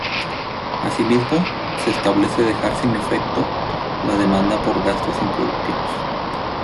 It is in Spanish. Asimismo, se establece dejar sin efecto la demanda por gastos improductivos.